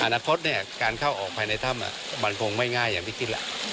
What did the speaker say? อนาคตการเข้าออกภายในถ้ำมันคงไม่ง่ายอย่างที่คิดล่ะ